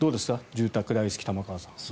住宅大好き玉川さん。